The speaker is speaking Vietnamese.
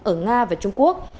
ở nga và trung quốc